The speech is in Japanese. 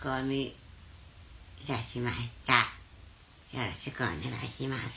よろしくお願いします。